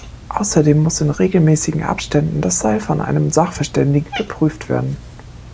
Außerdem muss in regelmäßigen Abständen das Seil von einem Sachverständigen geprüft werden.